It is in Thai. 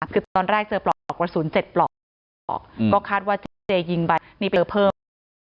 คือตอนแรกเจอปลอกว่าศูนย์เจ็ดปลอกก็คาดว่าเจ๊ยิงไปนี่ไปเจอเพิ่ม